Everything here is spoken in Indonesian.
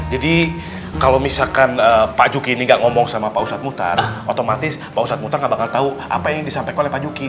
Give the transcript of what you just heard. jadi kalau misalkan pak juki ini gak ngomong sama pak ustadz bukhtar otomatis pak ustadz bukhtar gak bakal tau apa yang disampaikan oleh pak juki